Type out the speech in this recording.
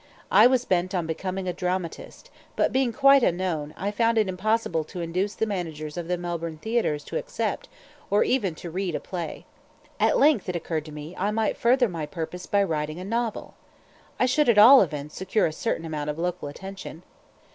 I was bent on becoming a dramatist, but, being quite unknown, I found it impossible to induce the managers of the Melbourne Theatres to accept, or even to read a play. At length it occurred to me I might further my purpose by writing a novel. I should at all events secure a certain amount of local attention.